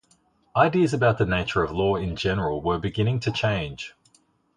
Ideas about the nature of law in general were beginning to change.